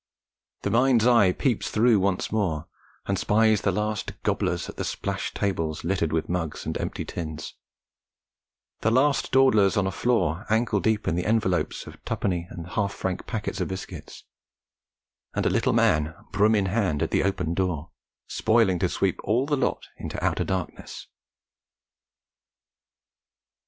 The mind's eye peeps through once more, and spies the last gobblers at the splashed tables littered with mugs and empty tins; the last dawdlers on a floor ankle deep in the envelopes of twopenny and half franc packets of biscuits; and a little man broom in hand at the open door, spoiling to sweep all the lot into outer darkness.